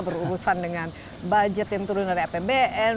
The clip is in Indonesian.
berurusan dengan budget yang turun dari apbn